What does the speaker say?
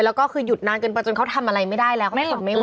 แล้วก็คือหยุดนานเกินไปจนเขาทำอะไรไม่ได้แล้วเขาไม่ทนไม่ไหว